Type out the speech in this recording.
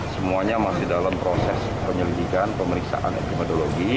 semuanya masih dalam proses penyelidikan pemeriksaan epidemiologi